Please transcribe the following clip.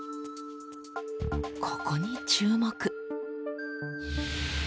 ここに注目。